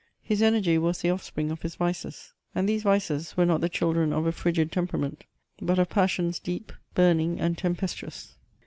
His energy was the offspring of his vices ; and these vices were not the chil dren of a frigid temperament, but of passions deep, burning, and tempestuous.